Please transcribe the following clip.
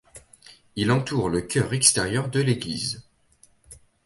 Il entoure le chœur extérieur de l'église.